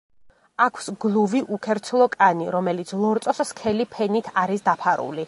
აქვს გლუვი, უქერცლო კანი, რომელიც ლორწოს სქელი ფენით არის დაფარული.